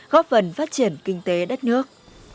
góp phần phát triển kinh tế đất nước